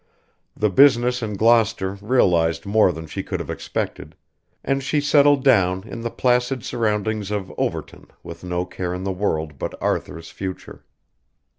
The business in Gloucester realised more than she could have expected, and she settled down in the placid surroundings of Overton with no care in the world but Arthur's future.